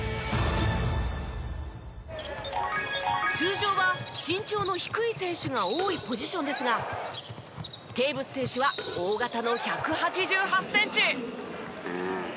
通常は身長の低い選手が多いポジションですがテーブス選手は大型の１８８センチ。